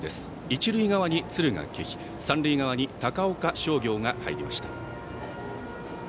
一塁側に敦賀気比三塁側に高岡商業が入りました。